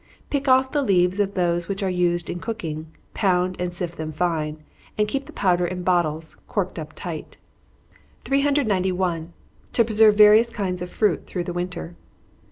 Pick off the leaves of those which are to be used in cooking, pound and sift them fine, and keep the powder in bottles, corked up tight. 391. _To preserve various kinds of Fruit through the Winter.